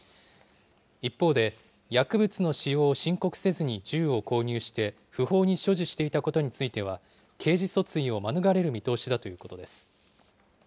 一方で、薬物の使用を申告せずに銃を購入して、不法に所持していたことについては、刑事訴追を免れる見通しだということです。